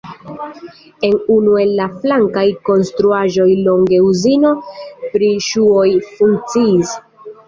En unu el la flankaj konstruaĵoj longe uzino pri ŝuoj funkciis.